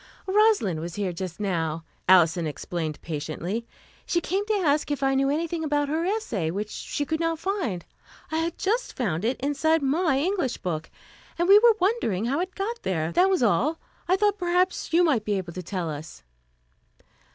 "Rosalind was here just now," Alison explained patiently. "She came to ask if I knew anything about her essay, which she could not find. I had just found it inside my English book, and we were wondering how it got there. That was all. I thought perhaps you might be able to tell us."